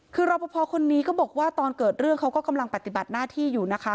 คือรอปภคนนี้ก็บอกว่าตอนเกิดเรื่องเขาก็กำลังปฏิบัติหน้าที่อยู่นะคะ